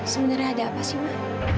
sebenarnya ada apa sih mak